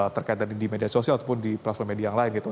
terkait tadi di media sosial ataupun di platform media yang lain gitu